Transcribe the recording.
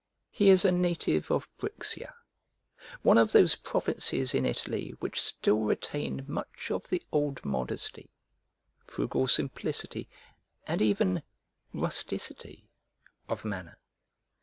He is a native of Brixia, one of those provinces in Italy which still retain much of the old modesty, frugal simplicity, and even rusticity, of manner.